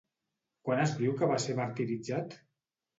Quan es diu que va ser martiritzat?